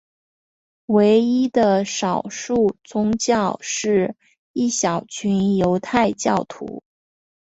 唯一的少数宗教是一小群犹太教徒。